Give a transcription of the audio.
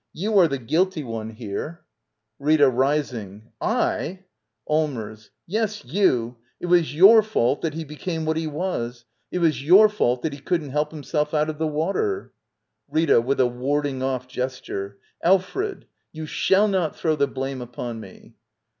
] You are the guilty one here. Rita. [Rising.] // Allmers. Yes, you/ It was your fault that he 69 Digitized by VjOOQIC LITTLE EYOLF <^ Act ii. became — what he was! It was your fault that he couldn't help himself out of the water. Rita. [With a warding off gesture.] Alfred — you shall not throw the blame upon me!